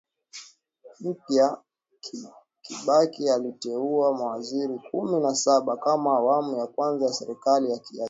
mpya Kibaki aliteua mawaziri kumi na saba kama awamu ya kwanza ya serikali akiacha